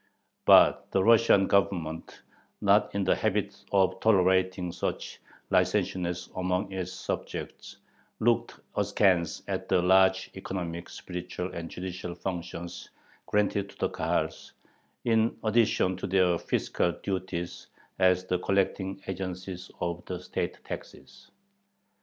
But the Russian Government, not in the habit of tolerating such "licentiousness" among its subjects, looked askance at the large economic, spiritual, and judicial functions granted to the Kahals, in addition to their fiscal duties as the collecting agencies of the state taxes.